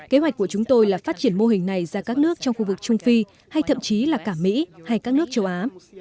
kế hoạch của chúng tôi là phát triển mô hình này ra các nước trong khu vực trung phi hay thậm chí là cả mỹ hay các nước châu á